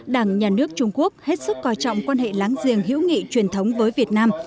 đảng nhà nước trung quốc hết sức coi trọng quan hệ láng giềng hữu nghị truyền thống với việt nam